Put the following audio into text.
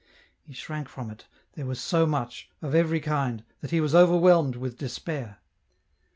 He shrank from it, there was so much, of every kind, that he was overwhelmed with despair.